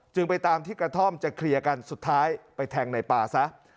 ไปตามที่กระท่อมจะเคลียร์กันสุดท้ายไปแทงในป่าซะ